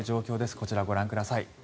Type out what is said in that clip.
こちらご覧ください。